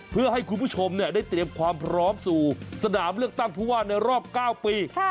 เพื่อให้คุณผู้ชมได้เตรียมความพร้อมสู่สนามเลือกตั้งผู้ว่าในรอบ๙ปี